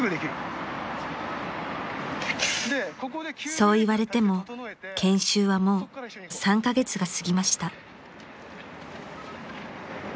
［そう言われても研修はもう３カ月が過ぎました］